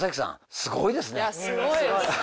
すごいですね。